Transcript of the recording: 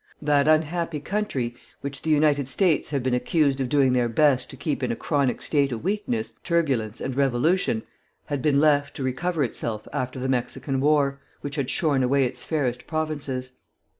That unhappy country, which the United States have been accused of doing their best to keep in a chronic state of weakness, turbulence, and revolution, had been left to recover itself after the Mexican War, which had shorn away its fairest provinces.